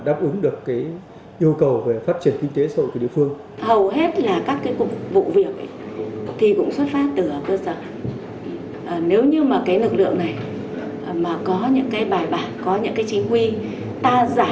thì chúng tôi thấy là nó sẽ rất là tốt